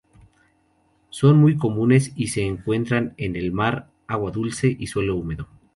Son muy comunes y se encuentran en el mar, agua duce y suelo húmedo.